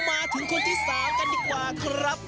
มาถึงคนที่๓กันดีกว่าครับ